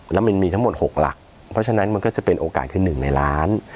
แล้วมันมีทั้งหมด๖หลักเพราะฉะนั้นมันก็จะเป็นโอกาสคือ๑ในล้าน